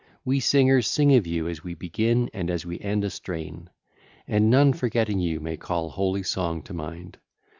we singers sing of you as we begin and as we end a strain, and none forgetting you may call holy song to mind.